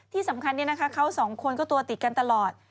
ที่สำคัญเขาสองคนก็ตัวติดกันตลอด